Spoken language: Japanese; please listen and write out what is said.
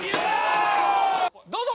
どうぞ！